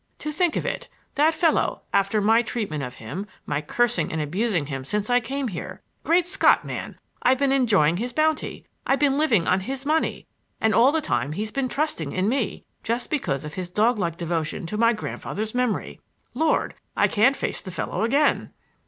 To think of it—that fellow, after my treatment of him—my cursing and abusing him since I came here! Great Scott, man, I've been enjoying his bounty, I've been living on his money! And all the time he's been trusting in me, just because of his dog like devotion to my grandfather's memory. Lord, I can't face the fellow again!"